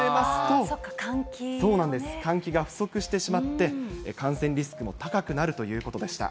そっか、そうなんです、換気が不足してしまって、感染リスクも高くなるということでした。